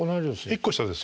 １個下です